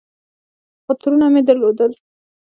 خو ترونه مې درلودل.